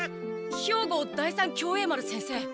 兵庫第三協栄丸先生。